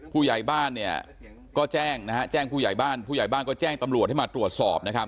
ผู้ใหญ่บ้านก็แจ้งผู้ใหญ่บ้านก็แจ้งตำรวจให้มาตรวจสอบ